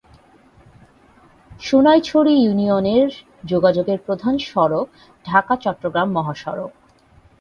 সোনাইছড়ি ইউনিয়নে যোগাযোগের প্রধান সড়ক ঢাকা-চট্টগ্রাম মহাসড়ক।